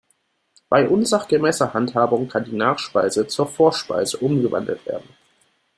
Bei unsachgemäßer Handhabung kann die Nachspeise zur Vorspeise umgewandelt werden.